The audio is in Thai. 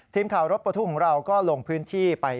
ทีมข่าวรถประทุกข์ของเราก็ลงพื้นที่ไป